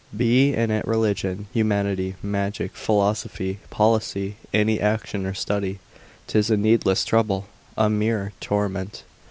Be it in religion, humanity, magic, philosophy, policy, any action or study, 'tis a needless trouble, a mere torment.